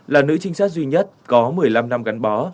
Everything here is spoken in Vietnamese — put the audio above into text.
là nữ trinh sát duy nhất có một mươi năm năm gắn bó